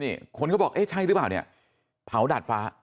นี่คนก็บอกเอ๊ะใช่หรือเปล่าเนี่ยเผาดาดฟ้า